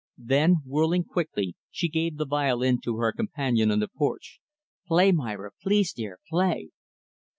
Then, whirling quickly, she gave the violin to her companion on the porch. "Play, Myra; please, dear, play."